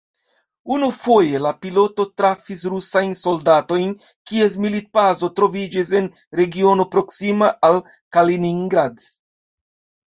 Unufoje la piloto trafis rusajn soldatojn, kies militbazo troviĝis en regiono proksima al Kaliningrad.